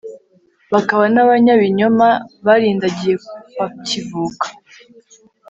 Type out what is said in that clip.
bakaba n'abanyabinyoma barindagiye bakivuka